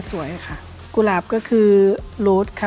ก็พูดว่าวันนี้มีคนจะมาวางยานักมัวให้ระวังดีนะครับ